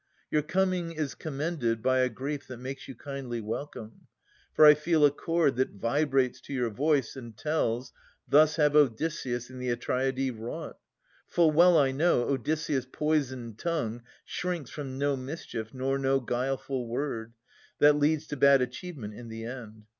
Your coming is commended by a grief That makes you kindly welcome. For I feel A chord that vibrates to your voice, and tells, Thus have Odysseus and the Atreidae wrought. Full well I know, Odysseus' poisoned tongue Shrinks from no mischief nor no guileful word That leads to bad achievement in the end.